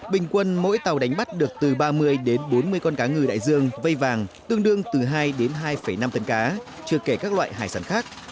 bình quân mỗi tàu đánh bắt được từ ba mươi đến bốn mươi con cá ngừ đại dương vây vàng tương đương từ hai đến hai năm tấn cá chưa kể các loại hải sản khác